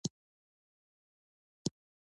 افغانستان کې خاوره د خلکو د خوښې وړ ځای دی.